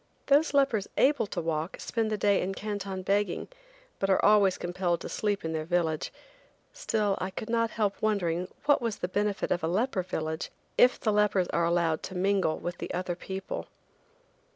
Those lepers able to walk spend the day in Canton begging, but are always compelled to sleep in their village, still I could not help wondering what was the benefit of a leper village if the lepers are allowed to mingle with the other people.